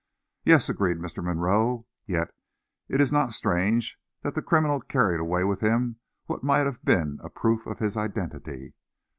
"Yes," agreed Mr. Monroe; "and yet it is not strange that the criminal carried away with him what might have been a proof of his identity."